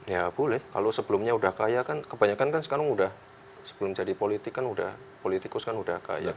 ya boleh kalau sebelumnya udah kaya kan kebanyakan kan sekarang udah sebelum jadi politik kan udah politikus kan udah kaya